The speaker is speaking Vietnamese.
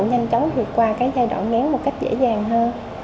nhanh chóng vượt qua giai đoạn ngán một cách dễ dàng hơn